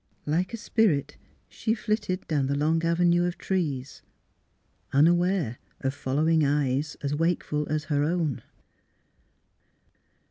Like a spirit she flitted down the long avenue of trees, unaware of following eyes as wakeful as her own.